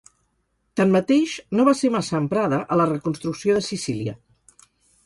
Tanmateix no va ser massa emprada a la reconstrucció de Sicília.